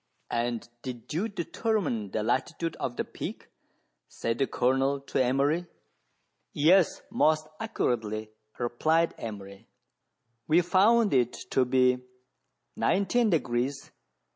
" And did you determine the latitude of the peak .''" said the Colonel to Emery, "Yes, most accurately," replied Emery; "we found it to be 19° 37' 35.